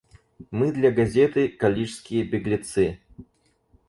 Мы для газеты — калишские беглецы.